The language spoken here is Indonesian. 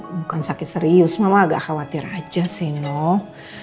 bukan sakit serius mama agak khawatir aja sih no